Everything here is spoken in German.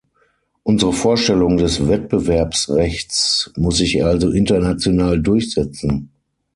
Unsere Vorstellung des Wettbewerbsrechts muss sich also international durchsetzen.